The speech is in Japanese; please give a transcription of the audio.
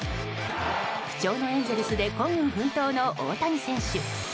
不調なエンゼルスで孤軍奮闘の大谷選手。